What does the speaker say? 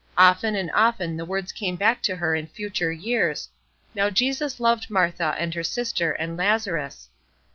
Often and often the words came back to her in future years. "Now Jesus loved Martha and her sister and Lazarus."